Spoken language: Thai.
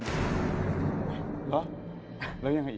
เหรอ